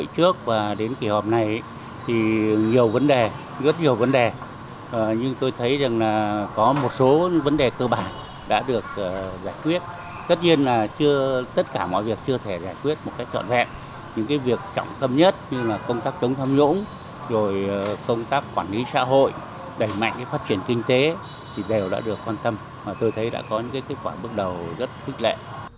công tác quản lý xã hội đẩy mạnh phát triển kinh tế đều đã được quan tâm tôi thấy đã có những kết quả bước đầu rất thích lệ